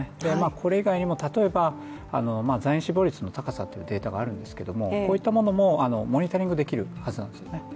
これ以外にも例えば在院死亡率の高さっていうのがあるんですけれどもこういったものもモニタリングできるはずなんですよね。